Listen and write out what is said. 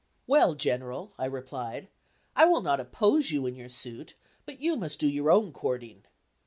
"Well, General," I replied, "I will not oppose you in your suit, but you must do your own courting.